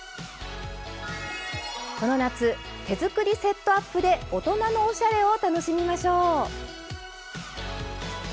この夏手作りセットアップで大人のおしゃれを楽しみましょう。